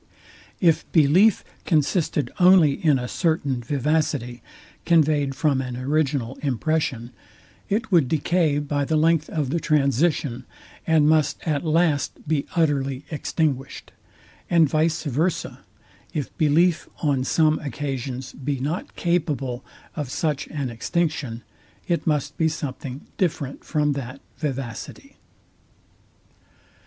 If belief consisted only in a certain vivacity, conveyed from an original impression, it would decay by the length of the transition, and must at last be utterly extinguished: And vice versa, if belief on some occasions be not capable of such an extinction; it must be something different from that vivacity.